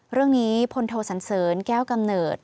เรื่องนี้พลโทสันเสริญแก้วกำเนิด